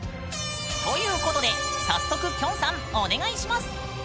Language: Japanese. ということで早速きょんさんお願いします。